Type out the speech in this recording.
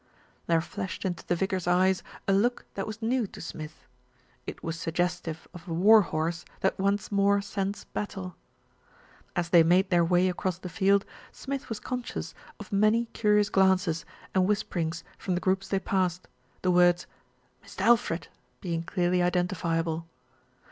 There flashed into the vicar's eyes a look that was new to Smith. It was suggestive of a war horse that once more scents battle. As they made their way across the field, Smith was conscious of many curious glances and whisperings from the groups they passed, the words "Mist' Alfred" be ing clearly identifiable.